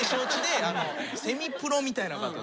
セミプロみたいな方ですね。